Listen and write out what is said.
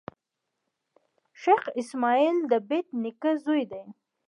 شېخ اسماعیل دبېټ نیکه زوی دﺉ.